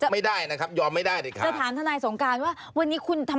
ไม่ได้นะครับยอมไม่ได้เลยค่ะ